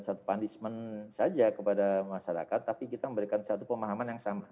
satu punishment saja kepada masyarakat tapi kita memberikan satu pemahaman yang sama